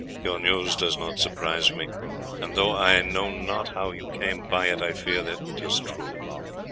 "Your news does not surprise me, and though I know not how you came by it, I fear that it is true.